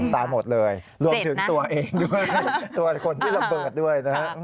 ตายหมดเลยรวมถึงตัวเองด้วยตัวคนที่ระเบิดด้วยนะฮะ